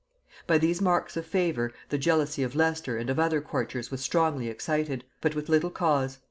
By these marks of favor the jealousy of Leicester and of other courtiers was strongly excited; but with little cause.